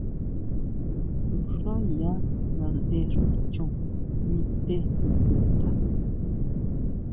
To xá ya ngaʼnde xú chon mi té chuta.